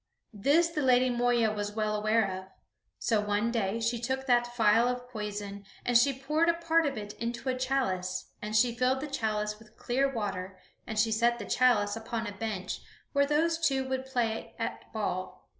This the Lady Moeya was well aware of; so one day she took that phial of poison and she poured a part of it into a chalice and she filled the chalice with clear water and she set the chalice upon a bench where those two would play at ball.